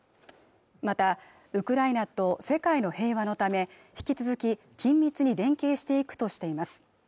またウクライナと世界の平和のため引き続き緊密に連携していくとしています